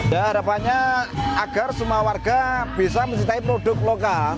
dan harapannya agar semua warga bisa mencintai produk lokal